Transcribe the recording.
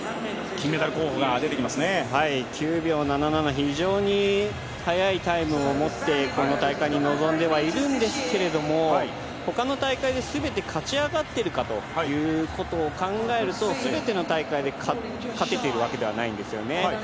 非常に速いタイムを持って、この大会に臨んではいるんですけれど他の大会ですべて勝ち上がってるかということを考えると全ての大会で勝てているわけではないんですよね。